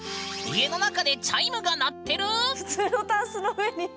家の中でチャイムが鳴ってる⁉普通のタンスの上に！